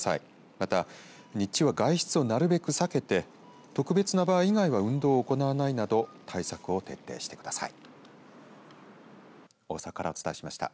また日中は外出をなるべく避けて特別な場合以外は運動を行わないなど対策を徹底してください。